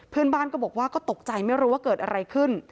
เพื่อนบ้านก็บอกว่าก็ตกใจไม่รู้ว่าเกิดอะไรขึ้น